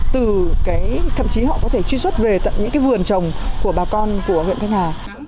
thậm chí họ có thể truy xuất về tận những vườn trồng của bà con của huyện thanh hà